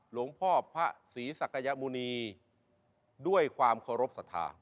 หลวงพ่อพระศรีศักยมุณีด้วยความเคารพสัทธา